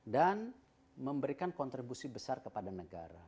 dan memberikan kontribusi besar kepada negara